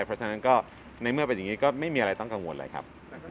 เพราะฉะนั้นก็ในเมื่อเป็นอย่างนี้ก็ไม่มีอะไรต้องกังวลเลยครับ